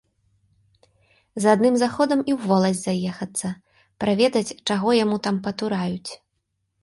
За адным заходам і ў воласць заехацца, праведаць, чаго яму там патураюць.